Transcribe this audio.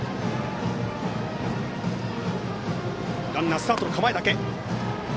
ランナーはスタートの構えだけ。